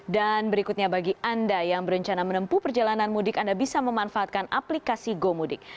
dan berikutnya bagi anda yang berencana menempuh perjalanan mudik anda bisa memanfaatkan aplikasi gomudik